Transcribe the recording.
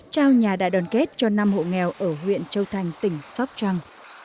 trao nhà đại đoàn kết cho năm hộ nghèo ở huyện châu thành tỉnh sóc trăng